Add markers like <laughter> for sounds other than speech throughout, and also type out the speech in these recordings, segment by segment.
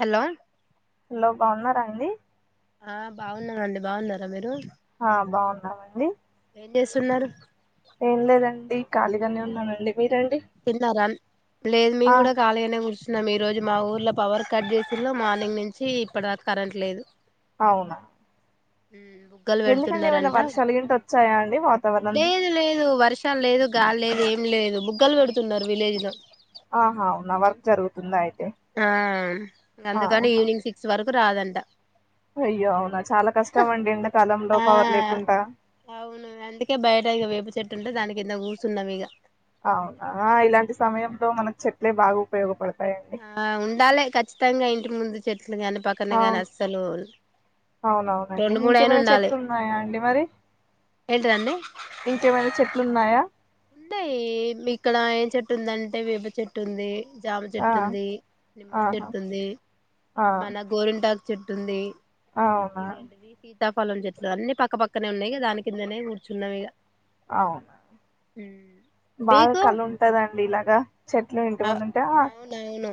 Hello లో బాగున్నారా అడి ఆ బాగున్నమండి బాగున్నారా మీరు ఆ బాగున్నావండి ఏం చేస్తున్నారు లేదండి ఖాళీగానే ఉన్నానండి మీరండి తిన్నార అన్ లేదు ఆ మేము కూడా ఖాళీగానే కుర్చ్ న్నాం ఈ రోజు మా ఊర్లో పవర్ కట్ చేసి మార్నింగ్ నుంచి ఇప్పటి దా కరెంట్ లేదు అవునా బుగ్గలు ఎందుకండి ఏమైనా పెడుతున్నారంట వర్షాలుగింట వచ్చాయా అండి వాతావరణ ర్షం లేదు గాలి లేదు ఏం లేదు బుగ్గల్ వెడ్ తున్నారు విలేజ్లో ఆహా అవునా వర్క్ జరుగుతుందా అయితే ఆ అందుకని ఆహా ఈవినింగ్ సిక్స్ వర్ కు రాదంట అయ్యో అవునా చాలా కష్టం అండి ఎండ కాలంలో ఆ పవర్ లేకుంటా అవును అందుకే బయట ఇక వేపు చెట్టు ఉంటే దాని కింద గూసున్నాం ఇగ అవునా ఇలాంటి సమయంలో మనకు చెట్లే బాగు ఉపయోగపడ్ ఆ ఉండాలె ఖచ్చితంగా ఇ టి ముందు చె ట్లు గానీ పక్కనే గానీ అవును అస్సలు అవునవునండి రెండు మూడు అయినా ఇంకేమైనా ఉండాలి చెట్లు ఉన్నాయా అండి మరి ఏంటిదండి ఇంకేమైనా చెట్లు ఉన్నాయా ఉండాయి ఇక్కడ ఏం చెట్టు ఉందంటే వేప చెట్టు ఉంది జామ ఆ చెట్టు ఉంది నిమ్మ ఆహా చెట్టు ఉంది ఆ మన గోరింటా చెట్టుంది అవునా సీతాఫలం చెట్లు అన్ని పక్క పక్కనే ఉన్నాయి దా కిందనే కూర్చున్నాం ఇగ అవునా హ్మ్ బాగా కలుంటదండీ ఇలా రా చెట్లు ఇంటి అ ముందు ఉంటే అవునవును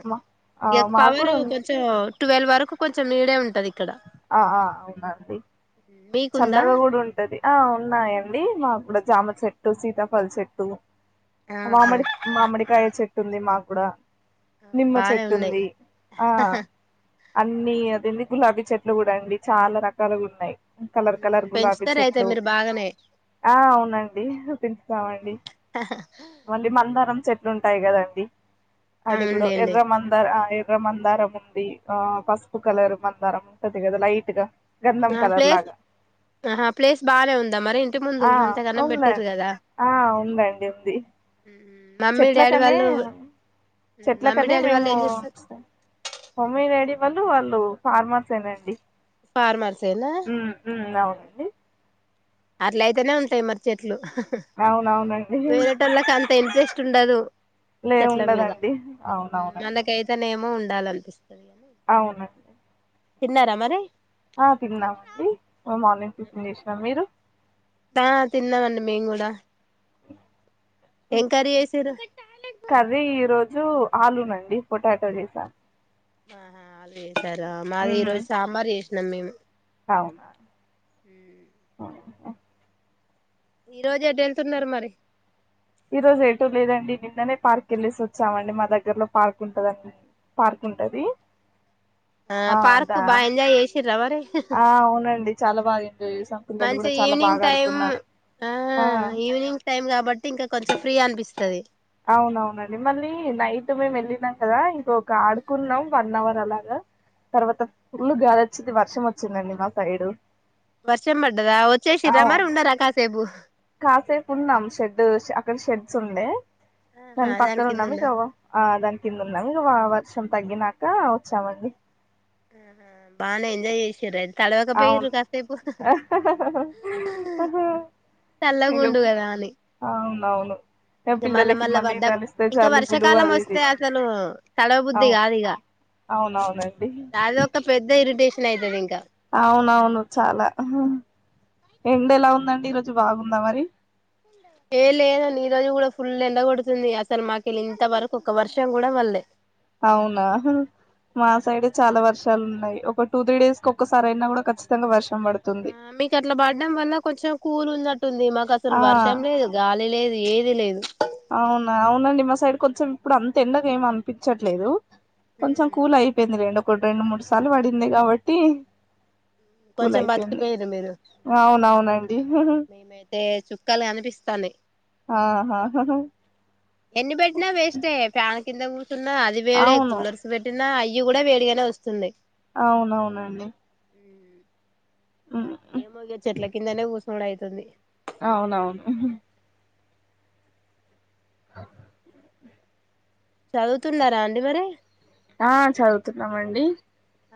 ఇగ ఆ మా గుడ పవర్ కొంచెం ట్వెల్వ్ వరకు కొంచెం నీడే ఉంటది ఇక్కడ ఆ ఆ అవునండి మీకుందా చల్లగా కుడా ఉంటది ఆ ఉన్నాయండి మాకు కూడా జామ చెట్టు సీతా పల్సెట్టు ఆహా మామిడి మామిడికాయ చెట్టు ఉంది మాకు కుడా నిమ్మ బానే ఉన్నాయి చెట్టుంది ఆ అన్ని అదేంది గులాబీ చెట్ చెట్లు గుడ అండి చాలా రకాలుగా ఉన్నాయి కలర్ కలర్ గులాబీ పెంచుతారు అయితే చెట్లు మీరు బాగానే ఆ అవునండి పెంచుతామండి మళ్ళీ మందారం చెట్లు ఉన్ ఉంటాయ్ కదండి అది కూడ అవునులేండి ఎర్ర మందార్ మందారం ఉంది ఆ పసుపు కలర్ మందారం ఉంటది కదా లైట్ గా గంధం ఆ కలర్ ప్లేస్ లాగా ఆహా ప్లేస్ బానే ఉందా మరి ఇంటి ముందు ఆ అంతగనం పెట్టిరు ఉందండి కదా మమ్మీ డాడీ చెట్లకని వాళ్ళు మమ్మీ చెట్లకని డాడీ వాళ్ళు మేము ఏం చేస్తారు ఉస్తాం మమ్మీ డాడీ వాళ్ళు వాళ్ళు ఫార్మర్స్ేనండి ఫార్మర్స్నా అవునండి అట్ల అయితేనే ఉంటాయి మరి చెట్లు అవునవునండి వేరటలా కంత తెలిపేస్ట్ ఉండదు లే చెట్ల మీద ఉండదండి అవునవునండి చాలనిపిస్తే అవునండి తిన్నారా మరి ఆ తిందామండి మార్నింగ్ టిఫిన్ చేసినాం మీరు తా తిన్నమండి మేం కూడా ఆ ఏం కర్రీ చేసిర్రు <inaudible> కది ఈ రోజు ఆలూనండి పొటాటా చేసా ఆహా అదే ారా మాది ఈరోజు సాంబార్ నమే అవును హ ఈ రోజు ఎటు వెళ్తున్నారు మరి ఈ రోజు ఏటో లేదండి నిన్ననే పార్క్ వెళ్ళసి వచ్చామండి మా దగ్గర్లో పార్క్ ఉంటదండి పార్క్ ఉంటది ఆ పార్క్ బాగా ఎంజాయ్ చేసి్రవరి ఆ అవునండి చాలా బాగా ఎంజాయ్ చేసాం పిల్లలు మంచి కూడా చాలా ఈవినింగ్ బాగా టైమ్ ఆడుకున్నారు ఆ ఈవినింగ్ టైమ్ కాబట్టి ఇంకా కొంచం ఫ్రీ అనిపిస్తుంది అవునవునండి మళ్ళీ నైట్ మేము వెళ్ళినాం కదా ఇంకొ ఆడుకున్నాం వన్ అవర్ అలాగా తర్వాత ఫుల్ గాలి వచ్చింది వర్షం వచ్చిందండి మా సైడ్ వర్షం పడ్డదా వచ్చేషిర మరి ఉండరా అకా సేపుు కాసేపు ఉన్నాం షెడ్ అక్కడ షెడ్స్ ఉంది ఆహా దాన్ని దాని పక్కన కింద ఉన్నా మీగవ ఆ దాని కింద ఉన్నాక వావ వర్షం తగ్గినక వచ్చామండి ఆహా బానే ఎంజాయ్ చేసర అయితే అవును తడవకపోయిర్రు కాసేపు <unintelligible> చల్లగుండు అవును అవును ఇంక మళ్ళా మళ్ళా పడ్డ ప ఇంకా జలుబులు వర్షాకాలం అది ఇది వస్తే అసలు.. తడవ బుద్ధి అవును కాదు ఇక.. అవునవునండి అద ఒక పెద్ద ఇరిటేషన్ నైయితది ఇంకా అవునవును చాలా ఎండ ఎలా ఉందండి ఈరోజు బాగుందా మరి ఏ లేదని ఈ రోజు కూడా ఫుల్ ఎండగొడుతుంది అసలు మాకుళ్ళి ఇంత వరకు ఒక వర్షం కూడా పడలే అవునా మా సైడ చాలా వర్షాలు ఉన్నాయి ఒక టూ త్రీ డేస్ ఒక్కసారి అయినా కూడా ఖచ్చితంగా వర్ష ఆ మీకుట్లా పడడం వల్ల కొంచెం కూల్ ఉన్న ఉంటుంది ఆ మాకసలు వర్షం లేదు గాలి లేదు ఏది లేదు అవునా అవునండి మా సైడ్ కొంచం ఇప్పుడు అంత ఎండగా ఏం అనిపిచ్చట్లేదు కొంచెం కూల్ అయిపోయింది లేండి ఒకటి రెండు మూడు సార్లు పడింది కాబట్టి కూల్ కొంచెం అయిపోయింది బతికిపోయిర్రు మీరు అవునవునండి మేమైతే చుక్కలు కనిపిస్తాంది ఆహా ఎన్ని పెట్టినా వేస్టే ఫ్యా కిందగు తున్నా అది వేడై అవును కూలర్స్ పెట్టినా అయి ఇవి కూడా వేడిగానే వస్తున్నాయి అవునవునండి ఉమ్, ఏమో ఇగ చెట్ల కిందనే కూసునుడు ఐతుంది అవునవును చదువుతున్నారా అండి మరి ఆ చదువుతున్నామండి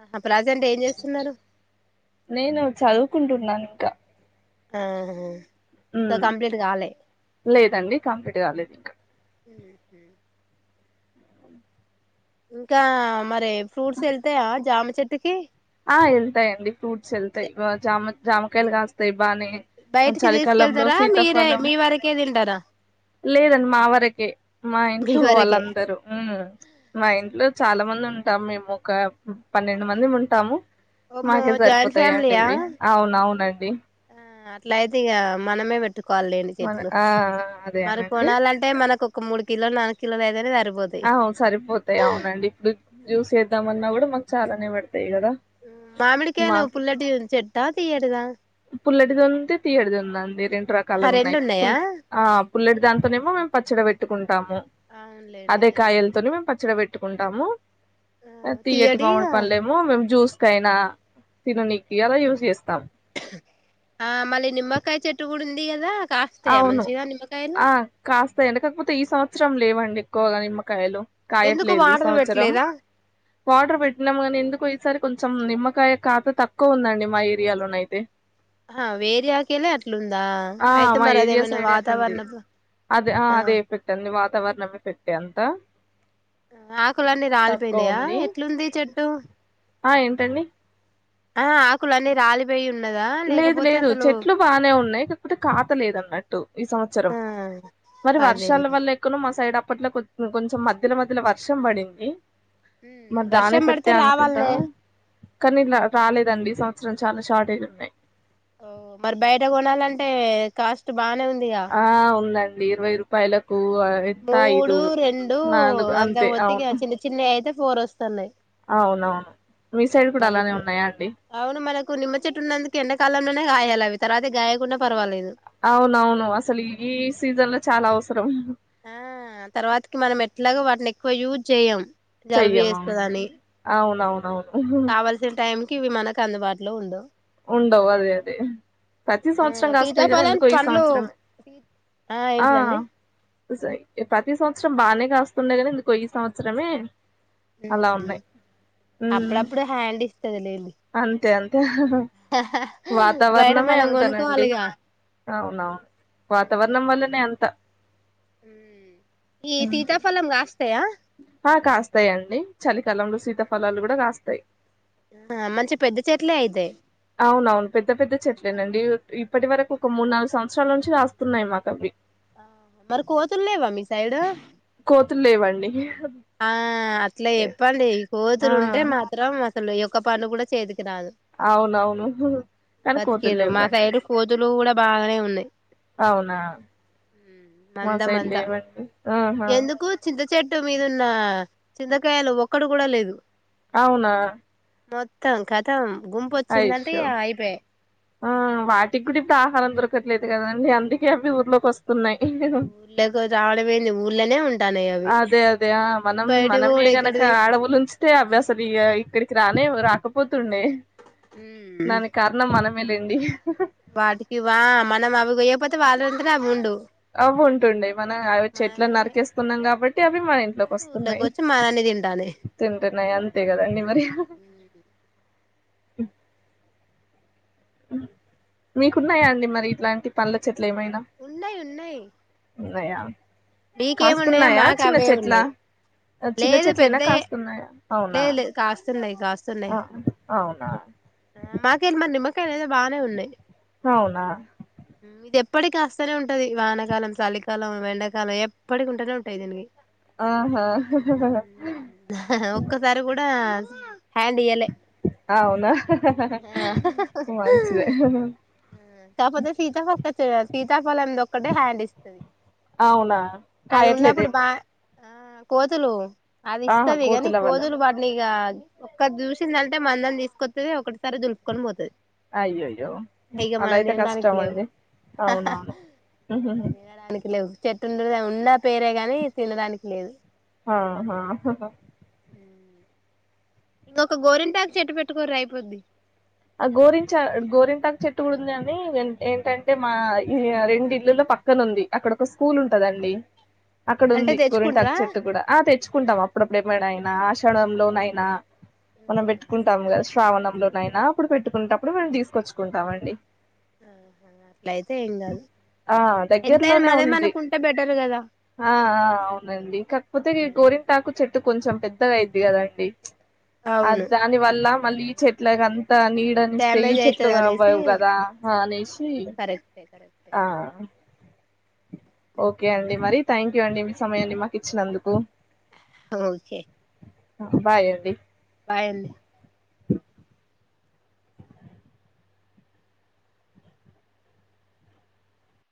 ఆహా ప్రజెంట్ ఏం చేస్తున్నారు నేను చదువుకుంటున్నాను <unintelligible> మ్ కంప్లీట్ కాలే లేదండి కంప్లీట్ కాలేదింకా మ్ హు ఇంకా మరి ఫ్రూట్స్ ఎళ్తాయా జామి చెట్టు కి ఆ ఎళ్తాయండి ఫ్రూట్స్ ఎళ్తాయి జామ జామకాయలు కాస్తాయి బానే ఆ, బయటికి చలికాలంలో తీసుకెళ్తారా మీరే సీతాఫలం మీ వరకే తింటారా లేదండి మా వరకే మా మీ ఇంట్లో వరకే వాళ్ళందరూ మ్ మా ఇంట్లో చాలా మంది ఉంటాము మేమొక పన్నెండు మందిముంటాము ఓమో మాకే జాయింట్ సరిపోతాయండి ఫ్యామిలీయా ఇవి అవునవునండి అట్లయితే ఇగ మనమే పెట్ ట్టుకోవాలిండి మన చెట్లు ఆ అదే మరి అనండి కొనాలంటే మనకు ఒక మూడు కిలో నాలుగు కిలోలయితేనే సరిపో ఔ సరిపోతయ్ అవునండి ఇప్పుడు చూసే ఇద్దామన్నా కూడా మాకు చాలానే పడి మామిడికాయలవి పుల్లటి చెట్టా తీయటిదా పుల్లడిది ఉంది తీయటిది ఉందండి రెండు ఆహా రెండు రకాలుగున్నాయి ఉన్నాయా ఆ పుల్లటి దాంతోనేమో పచ్చడి పెట్టుకుం టాము అవునులేండి అదే ఆ కాయలతోని మేము పచ్చడి పెట్ ట్టుకుంటాము ఆ తీయటి మాముడి తీయటిగా పల్లేమో మేము జ్యూస్ కైనా తిననీకి అలా యూజ్ చేస్తాం ఆ మళ్ళీ నిమ్మకాయ చెట్టు కూడా ఉంది కదా కాస్తాయా అవును మంచిగా నిమ్మకాయలు ఆ కాస్తాయండి కాకపోతే ఈ సంవత్సరం లేవండి కోగా నిమ్మకాయలు ఎందుకు కాయట్లేదు ఈ వాటర్ సంవత్సరం పెట్టలేదా వాటర్ పెట్టినాము గానీ ఎందుకో సరే కొంచెం నిమ్మకాయ ఖాతా తక్కువ ఉందండి మా ఏరియాలోన అయితే ఆ వేరే ఆకేలే అట్లుందా ఆ అయితే మా మరి ఏరియా అదేమైనా సైడ్ ఎ అటుంది వాతావరణ అద ఆ అదే ఎఫెక్ట్ అంది వాతావరణం ఎఫెక్ట్ ఎంత ఆకులన్నీ రాలిపోయినాయా ఎట్లుంది చెట్టు ఆ ఏంటండి ఆ ఆకులన్నీ రాలిపోయి ఉన్ లేదు లేదు చెట్లు బానే ఉన్నాయి కాకపోతే ఖాత లేదు అన్నట్టు ఈ సంవత్సరం ఆ మరి అదేలే వర్షాల వల్ల ఎక్కనో మా సైడ్ అప్పట్లో కొ కొంచెం మధ్యలో మధ్యలో వర్షం పడింది ఉమ్, మరి దాని వర్షం పడితే ఎఫెక్టె అనుకుంటా రావాలనే కానీలా రాలేదండి సం సంవత్సరం చాలా షార్ట్ ఏజ్ ఉన్నాయ్ ఓ మరి బయట కొనాలంటే కాస్ట్ బానే ఉందిగా ఆ ఉందండి ఇరవై రూపాయల మూడు రెండూ నాలుగు అంత అంతే అవును పోతిక చిన్న చిన్న యయితే ఫోర్ వస్తన్నాయ్ అవునవును మీ సైడ్ కూడా అలానే ఇప్పుడు ఉన్నాయా అండి అవును మనకు నిమ్మ చెట్టు ఉన్నందుకు ఎండాకాలంలోనే గాయాల అవి తర్వాత గాయకున్న పర్వాలేదు అవునవును అసలు ఈ సీజన్ లో చాలా అవసరం ఆ తర్వాతకి మనం ఎట్లాగ వాటిని ఎక్కువ యూజ్ చేయ్యం చెయ్యం అవునండి అవును అవును అవును కావల్సిన టైం కి ఇవి మనకు అందుబాటులో ఉండవు ఉండవు అదే అదే ప్రతి సంవత్సరం ఆ కాస్తాయి కానీ సీతాఫలం ఎందుకో ఈ పండ్లు సంవత్సరమే ఆ ప్రతి సంవత్సరం బాగానే కాస్తుండే కదా ఇందుకో ఈ సంవత్సరమే అలా ఉన్నాయి అప్పుడప్పుడు హ్యాండ్ ఇస్తది లేండి అంతే అంతే బయట వాతావరణమే మనం అంతనండి కొనుక్కోవాలిగా అవును అవును వాతావరణం వల్లనే అంత ఉమ్ ఆ కాస్తాయంండి చలికాలంలో శీతాఫలాలు కూడా కాస్తాయ్ ఆ మంచి పెద్ద చెట్లే అయితే అవున అవును పెద్ద పెద్ద చెట్లేనండి ఇప్పటి వరకు ఒక మూడు నాలుగు సంవత్సరాల నుంచి కాస్తున్నయ్. మాకు అవి ఆ మరి కోతుల్లేవా మీ సైడ్ కోతులు లేవండి ఆ అట్ల లేదు. చెప్పండి ఆ కోతులుంటె మాత్రం ళ్ళు ఒక్క పని కూడ చేయదు రాదు అవునవును కానీ కోతులు బతికిర్రు మా లేవ్వండి సైడు కోతులు కూడా బాగానే ఉన్నాయి అవునా మా మంద సైడ్ మంద లేవండి ఆహా ఎందుకు చింత చెట్టు మీద్ దున్న చింతకాయలు ఒక్కడు కూడా లేదు అవునా మొత్తం క త్తం గుంపు వచ్చిందంటే అయ్యో ఇగ అయిపే ఆ వాటికి కూడా ఇప్పుడు ఆహారం దొరకట్లేదు కదండి అందుకే అవి ఊర్లోకి వస్తున్నాయి. ఊళ్ళకు రావడంమేంది ఊళ్ళనే ఉం అదే అదే ఆ మనం మనమే కూడా గనక ఎక్కడిది ఆడవులు ఉంచితే అవ్వే అసలు ఇ ఇక్కడికి రానే రా కపోత్ తుండే ఉమ్ దానికి కారణం మనం లండి హ ఆ వాటికి వా మనం అవి కొయ్యకపోతే వాళ్ళంతనే అవి ఉండు. అవుంటుండే మనం వి చెట్లా నరికేస్తున్నాం కాబ టి అవి మన ఇంట్లోకి అవి ఊర్లోకి వస్తున్నాయి వచ్చి మననే తింటాన్నాయి తింటున్నాయి అంతే కదండి మరి హ మీకు ఉన్నాయా అండి మరి ఇట్లాంటి పండ్ల చెట్ ట్లు ఏమైనా ఉన్నాయి ఉన్నాయి ఉన్నాయా మీకేమున్నాయో కాస్తున్నాయా మాకు చిన్న అవే చెట్ల ఉన్నాయి చిన్న లేదు చెట్లెనా పెద్దయే కాస్తున్నాయా అవునా లేదు లేదు కాస్తున్నాయ్ ఆ కాస్తున్నాయ్ అవునా మాకెళ మరి నిమ్మ కదు ఏదో బానె ఉన్నాయి. అవునా ఇది ఎప్పటికి కాస్తనె ఉంటది వానకాలం సలికాలం ఎండాకాలం ఎప్పటికి ఉంటనె ఉంటయి దీనికి ఆహా కూడ హ్యాండ్ ఈయలె అవునా మంచిదే కాకపోతె సీతాఫక్కచే సీతాఫలంది ఒక్కటె హ్యాండ్ ఇస్తది అవునా అది ఉన్నప్పుడు బా కాయట్లేదేమో ఆ కోతులు అది ఆహా ఇస్తదిగని కోతుల వల్లన కోతులు పడ్నీగ ఒక్కటి చూసిందంటె మందని తీసుకొత్తది ఒకటెసారి దులుపుకొని పోతది. అయ్యోయ్యో ఇగ అలా మనం అయితె తినడానికి కష్టం లేవు అండి అవునవును చెట్టుండ ఉన్నా పేరె గాని తినడానికి లేదు ఆహ ఇంకొక గోరిన్ టాక్ చెట్టు పెట్టుకోర్రి అయిపోద్ది. ఆ గోరించ గోరింటాకు చెట్టు కూడ ఉంది అని ఏంటి ఏంటంటే మా ఈ రెండు ఇల్లుల్లో పక్కన ఉంది అక్కడ ఒక స్కూల్ ఉంటదండి. అక్కడ అంటే ఉంది గురింటక్ తెచ్చుకుంట్రా చెట్టు కూడ ఆ తెచ్చుకుంటాం అప్పుడప్పుడే మడయినా ఆషడంలోనైనా మనం పెట్టుకుంటాం కద్ చె శ్రావణంలోనైనా ప్పుడు పెట్టుకునేటప్పుడు మనం తీసుకొచ్చుకుంటామ్ అండి ఆహా అట్లయితే ఏం కాదు ఆ ఎంతైనా దగ్గరలోనే మనది ఉంది మనకు ఉంటే బెటర్ కదా ఆ ఆ అవునండి కాకపోతె ఈ గోరింటాకు చెట్ టె కొంచెం పెద్దగ అయిద్ది కదండి అది అవును దాని వల్ల మళ్ళీ ఈ చెట్లకన్ని త నీడని ఇస్తే ఈ డ్యామేజ్ చెట్లు అయితది అనేసి కనపడవు కదా అనేసి కరెక్టే కరెక్టే ఆ ఓకె అండి మరి థ్యాంక్ యు అండి మీ సమయాన్ని మాకు ఇచ్చినందుకు ఓకె బాయ్ అండి బాయ్ అండి